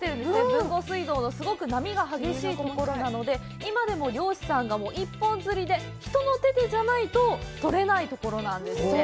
豊後水道のすごく波が激しいところなので今でも、漁師さんが一本釣りで人の手でじゃないと取れないところなんですって。